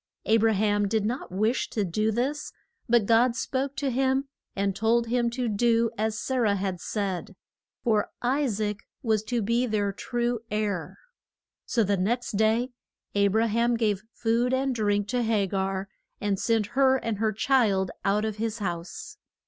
A bra ham did not wish to do this, but God spoke to him and told him to do as Sa rah had said, for I saac was to be the true heir. So the next day A bra ham gave food and drink to Ha gar and sent her and her child out of his house.